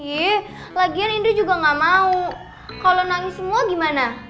ih lagian indah juga gak mau kalo nangis semua gimana